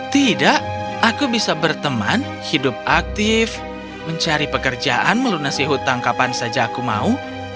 tidak aku bisa berteman hidup aktif mencari pekerjaan melunasi hutang kapan saja aku mau